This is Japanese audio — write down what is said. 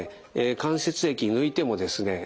関節液抜いてもですね